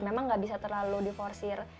memang gak bisa terlalu di forcir